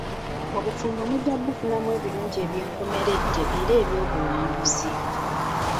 Obufumbo mujja kubufunamu ebirungi eby'enkomeredde era eby'obuwangaazi.